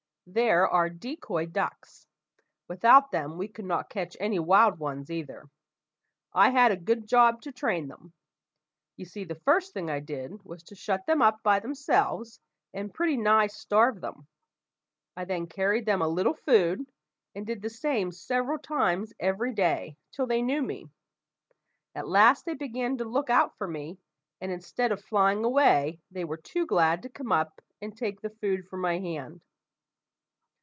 They're our decoy ducks; without them we could not catch any wild ones either. I had a good job to train them. You see, the first thing I did was to shut them up by themselves, and pretty nigh starve them. I then carried them a little food; and did the same several times every day, till they knew me. At last they began to look out for me, and, instead of flying away, they were too glad to come up and take the food from my hand.